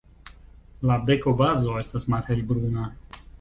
La bekobazo estas malhelbruna.